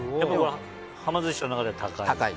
はま寿司の中では高い。